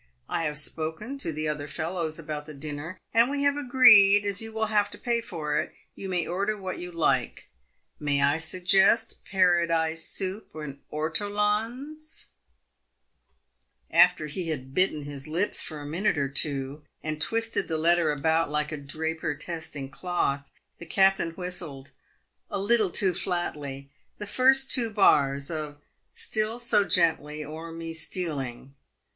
I have spoken to the other fellows about the dinner, and we have agreed, as you will have to pay for it, you may order what you like may I suggest Paradise soup and ortolans ?" PAVED WITH GOLD. 259 After he had bitten his lips for a minute or two, and twisted the letter about like a draper testing cloth, the captain whistled — a leetle too flatly — the first two bars of " Still so gently o'er me stealing."